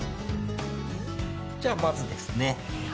じゃあ、まずですね